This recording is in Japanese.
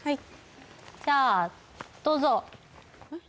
じゃあどうぞえっ？